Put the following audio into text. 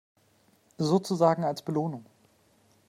Sozusagen als Belohnung.